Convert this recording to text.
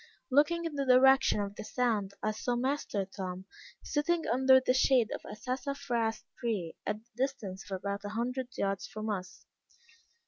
Looking in the direction of the sound, I saw master Tom, sitting under the shade of a sassafras tree, at the distance of about a hundred yards from us.